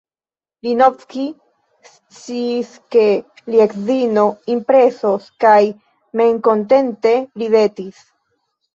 Linovski sciis, ke lia edzino impresos kaj memkontente ridetis.